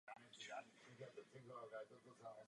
Sledovanost pořadu je v současné době kolem milionu diváků.